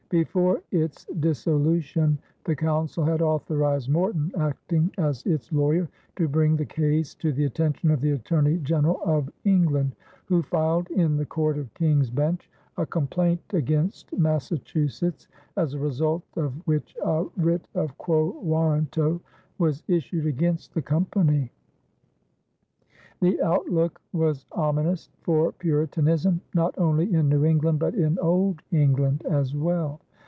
Before its dissolution the Council had authorized Morton, acting as its lawyer, to bring the case to the attention of the Attorney General of England, who filed in the Court of King's Bench a complaint against Massachusetts, as a result of which a writ of quo warranto was issued against the Company. The outlook was ominous for Puritanism, not only in New England but in old England as well.